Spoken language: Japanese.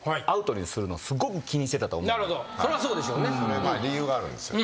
それは理由があるんですよ。